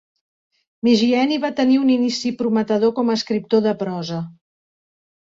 Migjeni va tenir un inici prometedor com a escriptor de prosa.